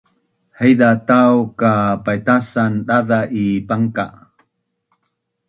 Haiza tau ka paitacan daza’ i pangka’